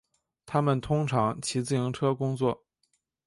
他们通常骑自行车工作。